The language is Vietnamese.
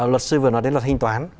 luật sư vừa nói đến luật thanh toán